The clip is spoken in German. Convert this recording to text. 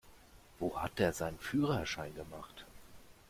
Wo hat der seinen Führerschein gemacht?